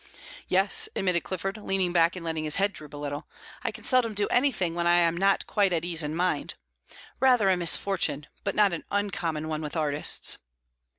"Yes," admitted Clifford, leaning back and letting his head droop a little; "I can seldom do anything when I am not quite at ease in mind. Rather a misfortune, but not an uncommon one with artists."